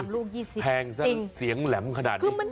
ลูก๒๐แทงซะเสียงแหลมขนาดนี้